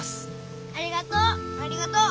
ありがとう。